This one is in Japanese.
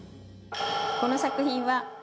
この作品は。